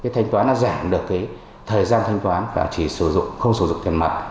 thanh toán đã giảm được thời gian thanh toán và chỉ sử dụng không sử dụng tiền mặt